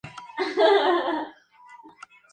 Los paraguayos reaccionaron en masa ante esta pretensión.